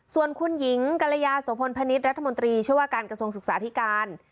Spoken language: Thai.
ส่วนคุณหญิงกรยาโสพลพนิษฐ์รัฐมนตรีช่วยว่าการกระทรวงศึกษาธิการ